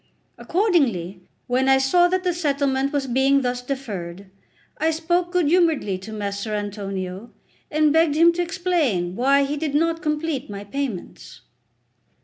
Accordingly, when I saw that the settlement was being thus deferred, I spoke good humouredly to Messer Antonio, and begged him to explain why he did not complete my payments.